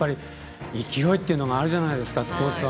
勢いというのがあるじゃないですか、スポーツは。